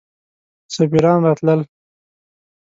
سفیران راتلل.